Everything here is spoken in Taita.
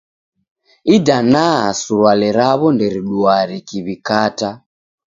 Idanaa surwale raw'o nderidua rikiw'ikata.